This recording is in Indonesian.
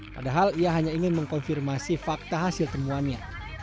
padahal ia hanya ingin mengkonfirmasi fakta hasil temuannya